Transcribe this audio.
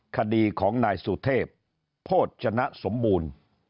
คดีของนายสุเทพโภชนะสมบูรณ์